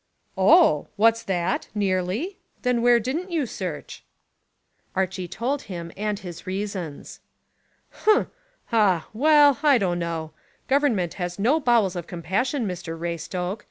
"Oh! What's that? Nearly? Then where didn't you search?" Archy told him and his reasons. "Humph! Ha! Well, I don't know: Government has no bowels of compassion, Mr Raystoke.